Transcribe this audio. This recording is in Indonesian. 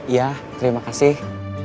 iya terima kasih